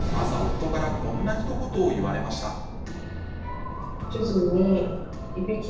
朝、夫からこんなひと言を言われました。